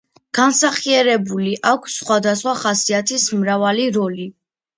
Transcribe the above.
განსახიერებული აქვს სხვადასხვა ხასიათის მრავალი როლი.